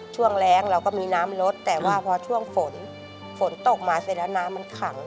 ช่วงแรงเราก็มีน้ำลดแต่ว่าพอช่วงฝนฝนตกมาเสร็จแล้วน้ำมันขัง